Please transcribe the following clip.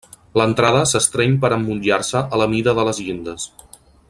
L'entrada s'estreny per emmotllar-se a la mida de les llindes.